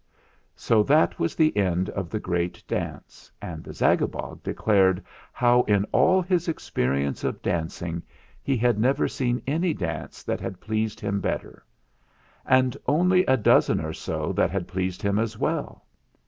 So that was the end of the great dance, and the Zagabog declared how in all his expe rience of dancing he had never seen any dance that had pleased him better, and only a dozen or so that had pleased him as well.